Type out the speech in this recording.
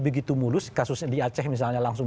begitu mulus kasusnya di aceh misalnya langsung